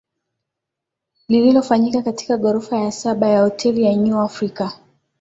lililofanyika katika ghorofa ya saba ya Hoteli ya New Africa